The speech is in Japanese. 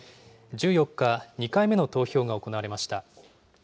１４日、２回目の投票が行われました。